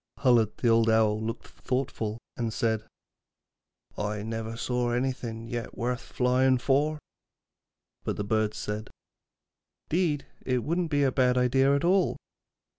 Hullad, the Owl, looked thoughtful, and said: 'I never saw anything yet worth flying for.' But the birds said: ''Deed, it wouldn't be a bad idea at all.'